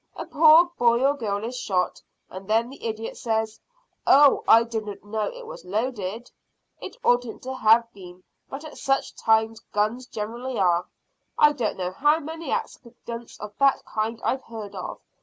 A poor boy or girl is shot, and then the idiot says, `Oh, I didn't know it was loaded!' It oughtn't to have been, but at such times guns generally are. I don't know how many accidents of that kind I've heard of.